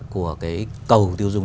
của cái cầu tiêu dùng